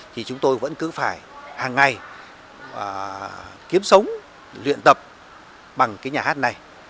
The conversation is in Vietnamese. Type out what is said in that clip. thì chúng tôi vẫn cứ phải hàng ngày kiếm sống luyện tập bằng cái nhà hát này